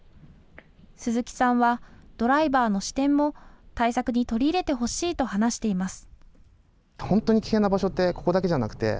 鈴木さんはドライバーの視点も対策に取り入れてほしいと話しています。